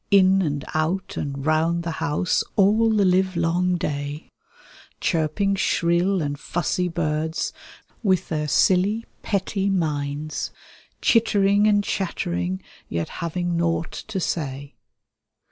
In and out and round the house all the live long day, Chirping shrin and fussy birds, with their silly petty minds, Chittering and chattering, yet having naught to say.